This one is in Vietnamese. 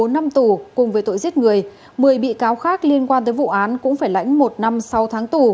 bốn năm tù cùng với tội giết người một mươi bị cáo khác liên quan tới vụ án cũng phải lãnh một năm sau tháng tù